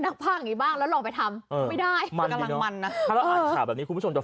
ทั้งทั้งหมดนั้นจับใจความได้ว่าอย่างไรคะคุณทัชนัย